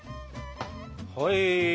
はい。